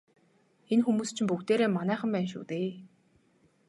Энэ хүмүүс чинь бүгдээрээ манайхан байна шүү дээ.